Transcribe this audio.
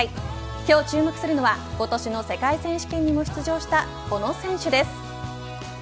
今日注目するのは今年の世界選手権にも出場したこの選手です。